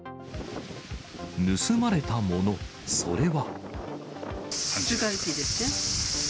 盗まれたもの、それは。